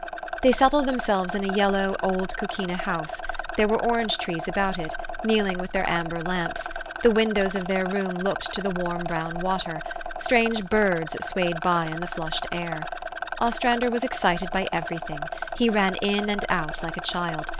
They settled themselves in a yellow, old coquina house : there were orange trees about it, kneeling with their amber lamps ; the windows of their room looked to the warm brown water; strange birds swayed by in the flushed air. Ostrander was ex cited by every thing : he ran in and out like a child.